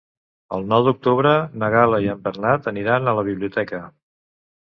El nou d'octubre na Gal·la i en Bernat aniran a la biblioteca.